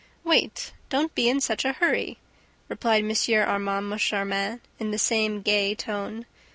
"Wait, don't be in such a hurry," replied M. Armand Moncharmin, in the same gay tone.